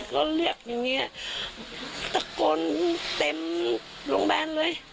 ก็เรียกอย่างเงี้ยตะโกนเต็มโรงแบนเลย